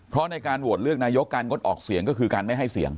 เพราะในการโหวตเลือกนายกการงดออกเสียงก็คือการไม่ให้เสียง